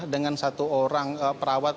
dengan satu orang perawat